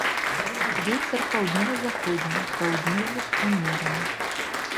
Вецер паўднёва-заходні, паўднёвы ўмераны.